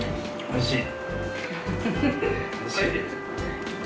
おいしい。